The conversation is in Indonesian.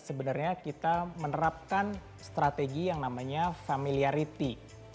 sebenarnya kita menerapkan strategi yang namanya familiarity